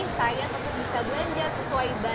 saya tetap bisa belanja sesuai